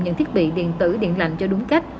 những thiết bị điện tử điện lạnh cho đúng cách